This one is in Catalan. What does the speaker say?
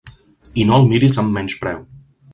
I no el miris amb menyspreu!